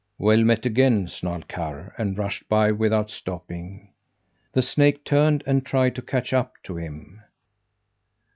"Well met again!" snarled Karr, and rushed by without stopping. The snake turned and tried to catch up to him.